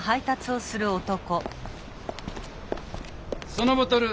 そのボトル